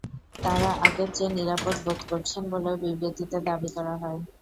তারা আগের চেয়ে নিরাপদ বোধ করছেন বলেও বিবৃতিতে দাবি করা হয়।